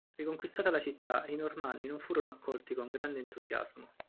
Riconquistata la città, i Normanni non furono accolti con grande entusiasmo.